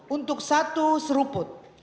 untuk satu seruput